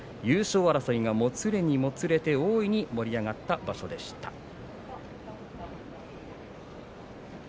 優勝争いがもつれにもつれて大いに盛り上がった場所でした。